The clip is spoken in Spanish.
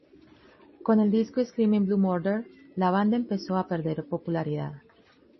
Con el disco "Screaming Blue Murder", la banda empezó a perder popularidad.